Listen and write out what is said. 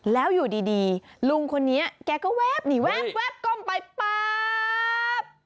แล้วอยู่ดีลุงคนนี้แกก็แวบหนีแว๊บก้มไปป๊าบ